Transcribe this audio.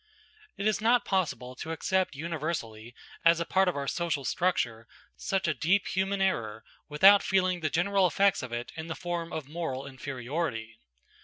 It is not possible to accept universally as a part of our social structure such a deep human error without feeling the general effects of it in the form of moral inferiority.